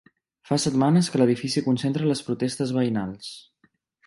Fa setmanes que l'edifici concentra les protestes veïnals.